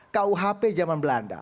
kuhp zaman belanda